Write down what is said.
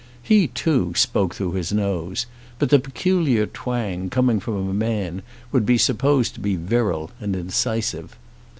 He, too, spoke through his nose, but the peculiar twang coming from a man would be supposed to be virile and incisive.